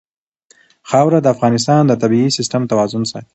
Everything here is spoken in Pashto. خاوره د افغانستان د طبعي سیسټم توازن ساتي.